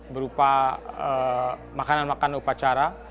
berupa makanan makanan upacara